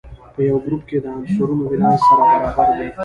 په یوه ګروپ کې د عنصرونو ولانس سره برابر دی.